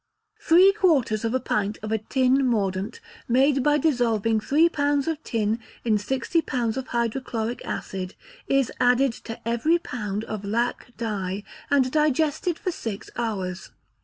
Three quarters of a pint of a tin mordant, made by dissolving three pounds of tin in sixty pounds of hydrochloric acid, is added to every pound of lac dye, and digested for six hours.